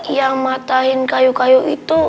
yang matahin kayu kayu itu